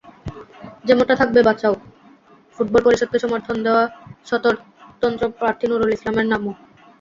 যেমনটা থাকবে বাঁচাও ফুটবল পরিষদকে সমর্থন দেওয়া স্বতন্ত্র প্রার্থী নুরুল ইসলামের নামও।